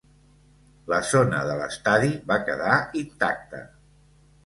La zona de l'estadi va quedar intacta.